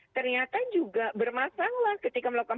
ternyata juga bermasalah ketika melakukan